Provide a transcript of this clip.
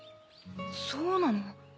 そうなの？